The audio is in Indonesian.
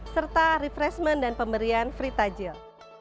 serta refreshment dan pemberian free tajil